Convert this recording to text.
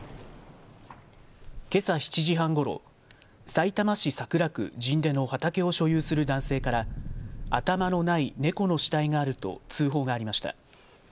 けさ７時半ごろ、さいたま市桜区神田の畑を所有する男性から頭のない猫の死体があると通報がありました。